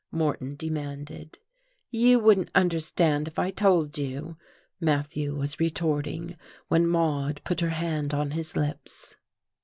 Moreton demanded. "You wouldn't understand if I told you," Matthew was retorting, when Maude put her hand on his lips.